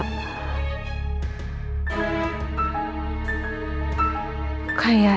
belum ada kabar aku jadi kebawa bawa